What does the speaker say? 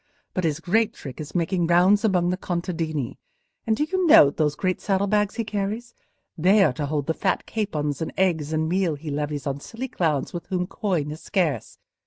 But his great trick is making rounds among the contadini. And do you note those great saddle bags he carries? They are to hold the fat capons and eggs and meal he levies on silly clowns with whom coin is scarce.